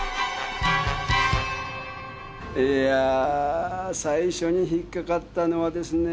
いやあ最初に引っ掛かったのはですね